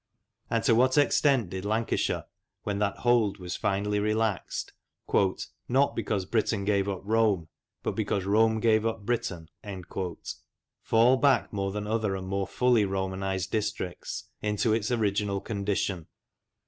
And to what extent did Lancashire, when that hold was finally relaxed "not because Britain gave up Rome, but because Rome gave up Britain " fall back more than other and more fully Romanized districts into its original condition?